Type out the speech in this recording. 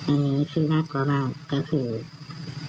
อันนี้คือมากกว่าก็คือ